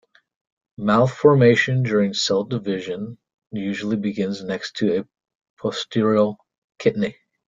Mouth formation during cell division usually begins next to a postoral kinety.